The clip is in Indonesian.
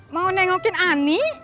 mau nengokin ani